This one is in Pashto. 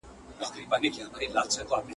نه سلمان وم نه په برخه مي خواري وه !.